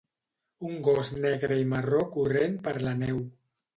Un gos negre i marró corrent per la neu.